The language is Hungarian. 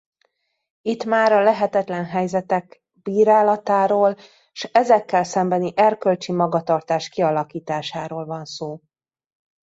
Itt már a lehetetlen helyzetek bírálatáról s ezekkel szembeni erkölcsi magatartás kialakításáról van szó.